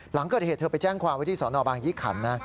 หลังเกิดเหตุเธอไปแจ้งความไว้ที่สนบางยี่ขันนะ